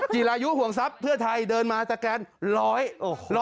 จิรายุห่วงทรัพย์เพื่อไทยเดินมาสแกน๑๐๐